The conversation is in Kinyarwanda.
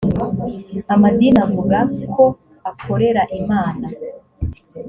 amadini avuga ko akorera imana